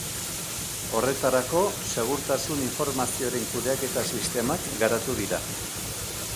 Horretarako, segurtasun informazioaren kudeaketa sistemak garatu dira.